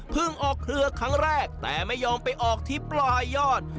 ออกเครือครั้งแรกแต่ไม่ยอมไปออกที่ปลายยอด